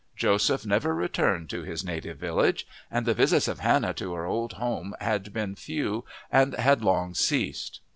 Joseph never returned to his native village, and the visits of Hannah to her old home had been few and had long ceased.